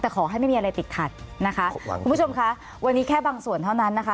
แต่ขอให้ไม่มีอะไรติดขัดนะคะคุณผู้ชมคะวันนี้แค่บางส่วนเท่านั้นนะคะ